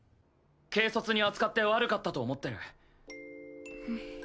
軽率に扱って悪かったと思ってる。